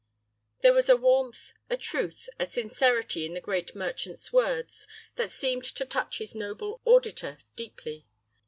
There was a warmth, a truth, a sincerity in the great merchant's words that seemed to touch his noble auditor deeply.